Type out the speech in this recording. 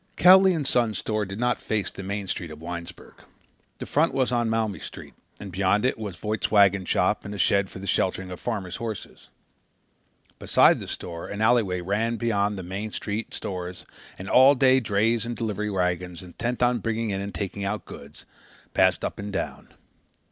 Cowley & Son's store did not face the main street of Winesburg. The front was on Maumee Street and beyond it was Voight's wagon shop and a shed for the sheltering of farmers' horses. Beside the store an alleyway ran behind the main street stores and all day drays and delivery wagons, intent on bringing in and taking out goods, passed up and down.